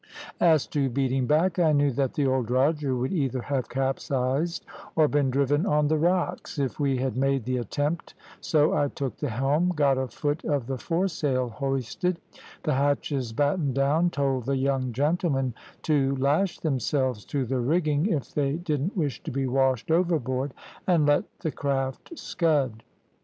As to beating back, I knew that the old drogher would either have capsized, or been driven on the rocks, if we had made the attempt so I took the helm, got a foot of the foresail hoisted, the hatches battened down, told the young gentlemen to lash themselves to the rigging, if they didn't wish to be washed overboard, and let the craft scud.